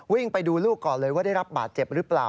วิ่งไปดูลูกก่อนเลยว่าได้รับบาดเจ็บหรือเปล่า